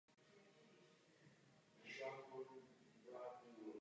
Delší dobu byl šéfredaktorem Filosofického časopisu.